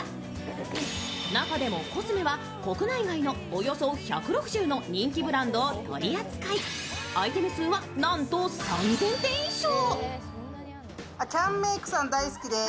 中でもコスメは国内外のおよそ１６０の人気ブランドを取り扱い、アイテム数はなんと３０００点以上。